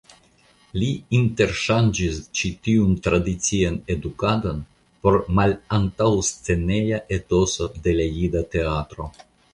Li interŝanĝis ĉi tiun tradician edukadon por la malantaŭsceneja etoso de la jida teatro.